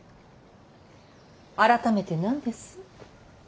改めて何です？